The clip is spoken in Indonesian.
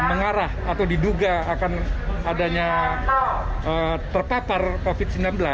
mengarah atau diduga akan adanya terpapar covid sembilan belas